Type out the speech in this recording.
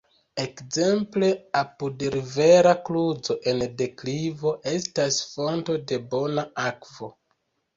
Ekzemple apud rivera kluzo en deklivo estas fonto de bona akvo.